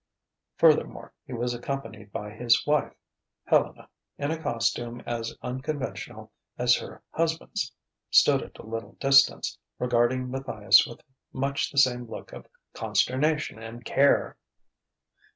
Furthermore, he was accompanied by his wife: Helena, in a costume as unconventional as her husband's, stood at a little distance, regarding Matthias with much the same look of consternation and care.